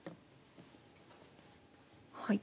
はい。